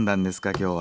今日は。